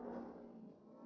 kabur lagi kejar kejar